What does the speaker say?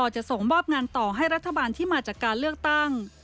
จะส่งมอบงานต่อให้รัฐบาลที่มาจากการเลือกตั้ง